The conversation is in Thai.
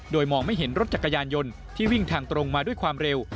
โดยมองไม่เห็นรถจักรยานยนต์ที่วิ่งทางตรงมาด้วยความเร็ว